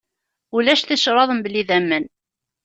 Ulac ticraḍ mebla idammen.